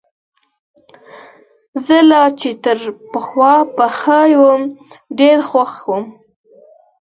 زه لا چي تر پخوا به ښه وم، ډېر خوښ وو.